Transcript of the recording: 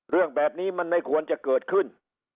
เรื่องแบบนี้มันไม่ควรจะเกิดขึ้น